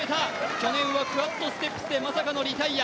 去年はクワッドステップスでまさかのリタイア。